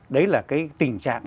đấy là cái tình trạng